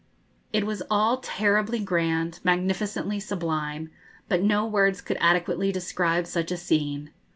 It was all terribly grand, magnificently sublime; but no words could adequately describe such a scene.